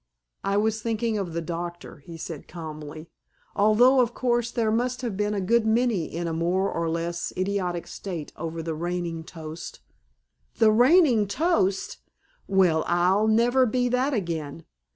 "I was thinking of the doctor," he said calmly. "Although, of course, there must have been a good many in a more or less idiotic state over the reigning toast." "The reigning toast!... Well, I'll never be that again.